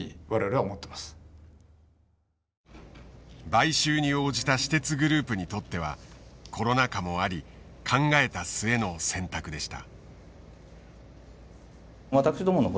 買収に応じた私鉄グループにとってはコロナ禍もあり考えた末の選択でした。